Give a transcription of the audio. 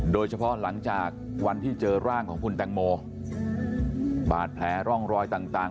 โดยเฉพาะหลังจากวันที่เจอร่างของคุณแตงโมบาดแผลร่องรอยต่าง